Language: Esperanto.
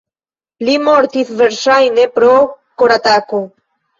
Li mortis verŝajne pro koratako.